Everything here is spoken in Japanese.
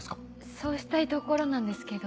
そうしたいところなんですけど。